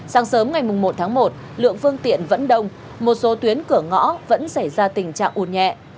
sáng sớm ngày một tháng một lượng phương tiện vẫn đông một số tuyến cửa ngõ vẫn xảy ra tình trạng ồn nhẹ